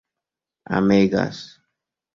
amegas